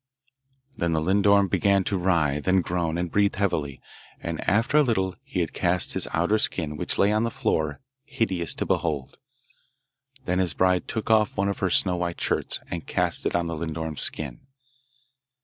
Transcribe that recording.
Then the lindorm began to writhe, and groan, and breathe heavily; and after a little he had cast his outer skin, which lay on the floor, hideous to behold. Then his bride took off one of her snow white shirts, and cast it on the lindorm's skin.